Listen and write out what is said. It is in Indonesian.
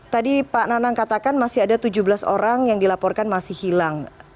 tadi pak nanang katakan masih ada tujuh belas orang yang dilaporkan masih hilang